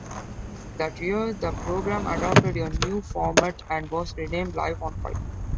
That year, the program adopted a new format, and was renamed "Live on Five".